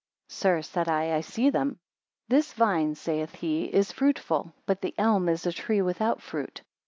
Sir, said I, I see them. 4 This vine, saith he, is fruitful, but the elm is a tree without fruit.